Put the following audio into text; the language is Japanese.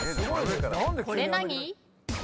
これ何？